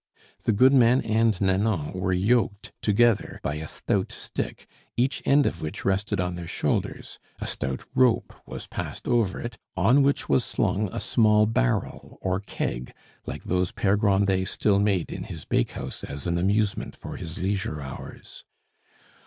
The goodman and Nanon were yoked together by a stout stick, each end of which rested on their shoulders; a stout rope was passed over it, on which was slung a small barrel or keg like those Pere Grandet still made in his bakehouse as an amusement for his leisure hours.